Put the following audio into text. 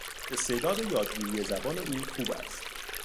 استعداد یادگیری زبان او خوب است.